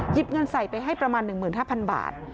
เงินใส่ไปให้ประมาณ๑๕๐๐บาท